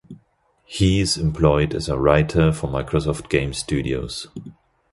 He is employed as a writer for Microsoft Game Studios.